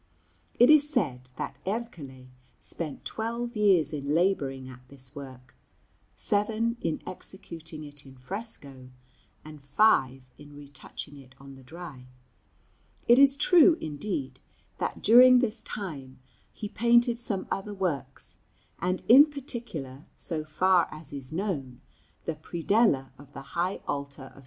It is said that Ercole spent twelve years in labouring at this work; seven in executing it in fresco, and five in retouching it on the dry. It is true, indeed, that during this time he painted some other works; and in particular, so far as is known, the predella of the high altar of S.